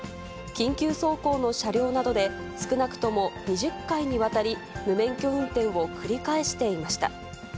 緊急走行の車両などで、少なくとも２０回にわたり、無免許運転を繰り返していました。